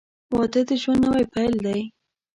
• واده د ژوند نوی پیل دی.